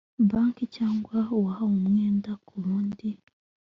banki cyangwa uwahawe umwenda ku bundi